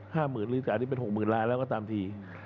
หมื่นหรือแต่อันนี้เป็นหกหมื่นล้านแล้วก็ตามที